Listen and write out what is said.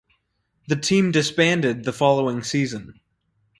The team disbanded the following season.